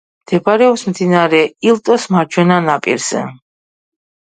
მდებარეობს მდინარე ილტოს მარჯვენა ნაპირზე.